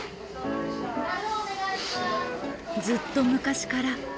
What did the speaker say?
ずっと昔から。